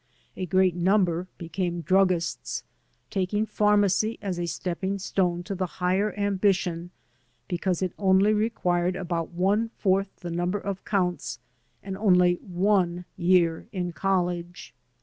A great number became druggists, taking pharmacy as a stepping stone to the higher ambition because it only required about one fourth the number of counts and only one year in college.